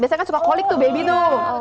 biasanya kan suka colik tuh baby tuh